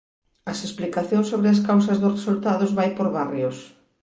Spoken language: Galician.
As explicacións sobre as causas dos resultados vai por barrios.